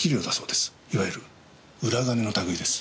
いわゆる裏金の類です。